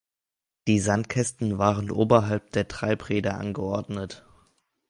Die Sandkästen waren oberhalb der Treibräder angeordnet.